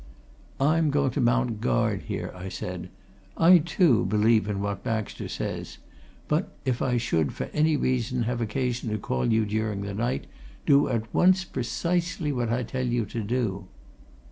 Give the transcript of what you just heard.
"I'm going to mount guard here," I said. "I, too, believe in what Baxter says. But if I should, for any reason, have occasion to call you during the night, do at once precisely what I tell you to do."